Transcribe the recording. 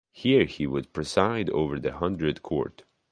Here he would preside over the hundred court.